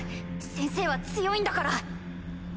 先生は強いんだから！